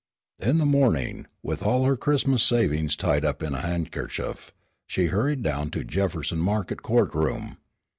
In the morning, with all her Christmas savings tied up in a handkerchief, she hurried down to Jefferson Market court room.